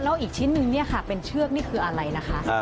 แล้วอีกชิ้นนึงเนี่ยค่ะเป็นเชือกนี่คืออะไรนะคะ